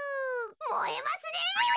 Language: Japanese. もえますねえ！